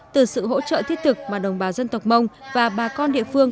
từ sự hỗ trợ thiết thực mà đồng bào dân tộc mông và bà con địa phương